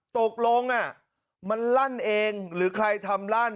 ตกลงมันลั่นเองหรือใครทำลั่น